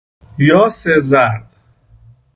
یاس زرد